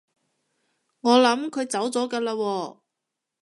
我諗佢走咗㗎喇喎